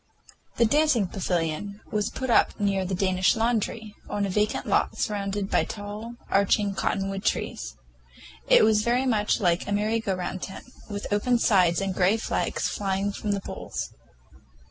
The dancing pavilion was put up near the Danish laundry, on a vacant lot surrounded by tall, arched cottonwood trees. It was very much like a merry go round tent, with open sides and gay flags flying from the poles.